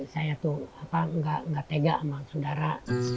saya tuh gak tega sama saudara